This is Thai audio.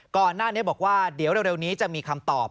ก่อนหน้านี้บอกว่าเดี๋ยวเร็วนี้จะมีคำตอบ